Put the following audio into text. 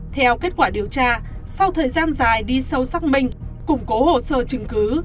theo kết quả điều tra sau thời gian dài đi sâu xác minh củng cố hồ sơ chứng cứ